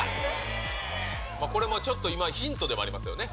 これもちょっと今、ヒントでもありますよね。